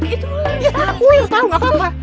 itu ular ya takut tau gapapa